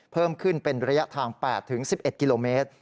เพิ่มขึ้นเป็นระยะทาง๘๑๑กิโลเมตร